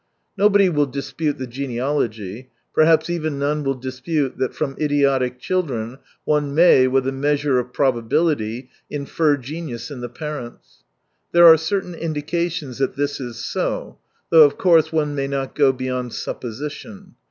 ... Nobody will dispute the genealogy. Perhaps even none will dispute that, from idiotic children one may, with a measure of probability, infer genius in the parents. There are certain indications that this is so — though of course one may not go beyond supposition.